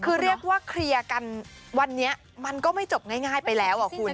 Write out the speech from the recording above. คือเรียกว่าเคลียร์กันวันนี้มันก็ไม่จบง่ายไปแล้วอ่ะคุณ